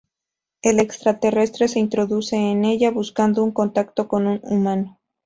El extraterrestre se introduce en ella, buscando un contacto con un humano.